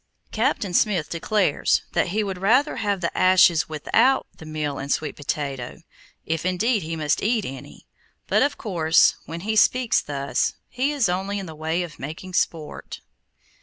Captain Smith declares that he would rather have the ashes without the meal and sweet potato, if indeed he must eat any, but of course when he speaks thus, it is only in the way of making sport.